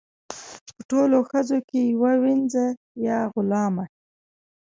په ټولو ښځو کې یوه وینځه یا غلامه.